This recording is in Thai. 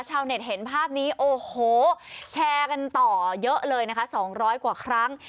ชาวเน็ตเห็นภาพนี้โอ้โหแชร์กันต่อเยอะเลยนะคะ๒๐๐กว่าครั้ง